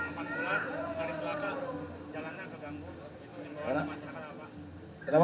itu imbauan untuk masyarakat apa